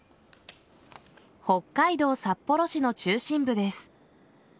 北海道札幌市の中心部です。